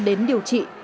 đến điều trị